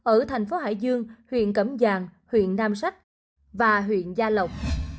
ở thành phố hải dương huyện cẩm giang huyện nam sách và huyện gia lộc